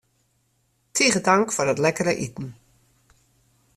Tige tank foar it lekkere iten.